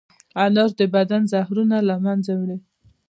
انار د بدن زهرونه له منځه وړي.